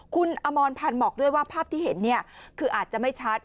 คุณอมรพันธ์บอกด้วยว่าภาพที่เห็นคืออาจจะไม่ชัด